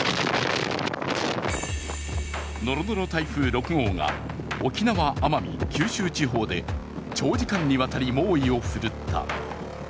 ノロノロ台風６号が沖縄・奄美・九州地方で長時間にわたり猛威を振るった。